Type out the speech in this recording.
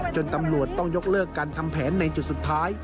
ตำรวจต้องยกเลิกการทำแผนในจุดสุดท้าย